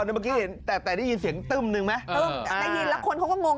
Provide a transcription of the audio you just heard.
เมื่อกี้เห็นแต่แต่ได้ยินเสียงตึ้มหนึ่งไหมตึ้มได้ยินแล้วคนเขาก็งง